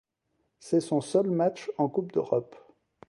C'est son seul match en coupe d'Europe.